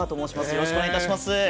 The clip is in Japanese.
よろしくお願いします。